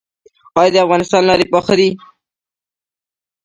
آیا د افغانستان لارې پاخه دي؟